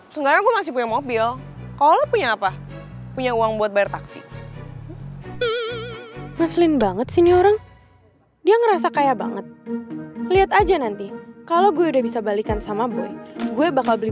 cuma ini ada insiden sedikit tadi